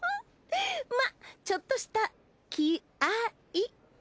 まっちょっとした気合い。